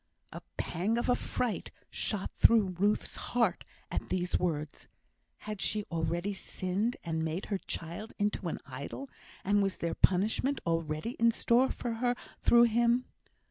A pang of affright shot through Ruth's heart at these words; had she already sinned and made her child into an idol, and was there punishment already in store for her through him?